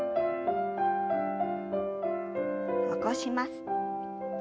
起こします。